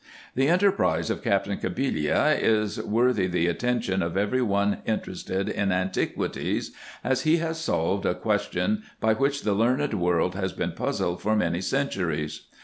The enterprise of Captain Cabillia is worthy the atten tion of every one interested in antiquities, as he has solved a question, by which the learned world has been puzzled for many centuries.